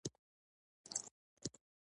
ظاهراً چلول واکمنانو لاس کې وي.